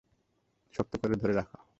শক্ত করে ধরে থাক!